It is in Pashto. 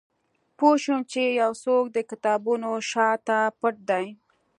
پوه شوم چې یو څوک د کتابونو شاته پټ دی